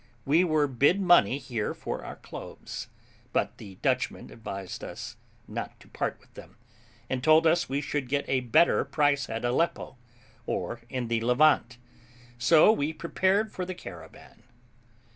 We were bid money here for our cloves, but the Dutchman advised us not to part with them, and told us we should get a better price at Aleppo, or in the Levant; so we prepared for the caravan.